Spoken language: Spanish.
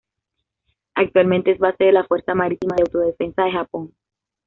Actualmente es base de la Fuerza Marítima de Autodefensa de Japón.